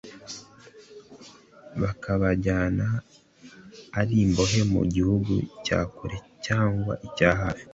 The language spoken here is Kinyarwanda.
bakabajyana ari imbohe mu gihugu cya kure cyangwa icya hafi